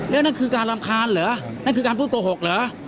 แล้วนั่นคือการรำคาญเหรอนั่นคือการพูดโกหกเหรอ